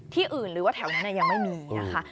ที่อื่นหรือว่าแถวนั้นยังไม่มีนะคะ